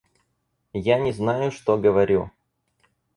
Я не знаю, что говорю!